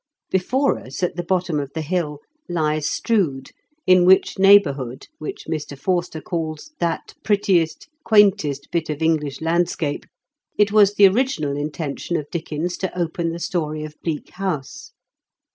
Before us, at the bottom of the hill, lies Strood, in which neighbourhood, which Mr. Forster calls "that prettiest quaintest bit of English landscape,'' it was the original inten tion of Dickens to open the story of Bleak House.